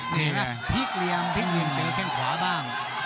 นี่แหละพีคเหลี่ยมพีคเหลี่ยมเจอแค่ขวาบ้าง